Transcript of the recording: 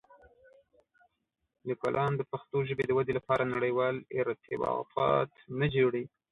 لیکوالان د پښتو ژبې د ودې لپاره نړيوال ارتباطات نه جوړوي.